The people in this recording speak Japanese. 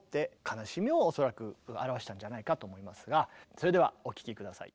それではお聴き下さい。